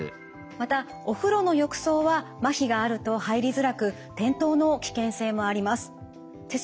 またお風呂の浴槽はまひがあると入りづらく転倒の危険性もあります。